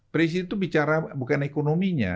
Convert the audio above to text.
presiden itu bicara bukan ekonominya